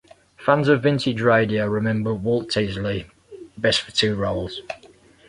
Fans of vintage radio remember Walter Tetley best for two roles.